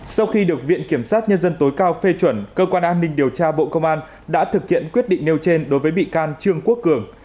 sau phê chuẩn cơ quan an ninh điều tra bộ công an đã thực hiện quyết định nêu trên đối với bị can trương quốc cường